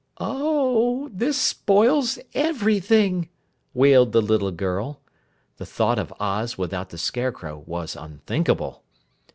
"Oh, this spoils everything!" wailed the little girl. (The thought of Oz without the Scarecrow was unthinkable.)